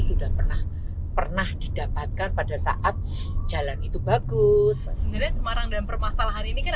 sudah pernah pernah didapatkan pada saat jalan itu bagus sebenarnya semarang dan permasalahan ini kan